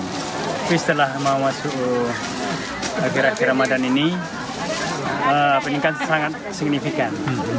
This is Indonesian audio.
tapi setelah mau masuk akhir akhir ramadan ini peningkatan sangat signifikan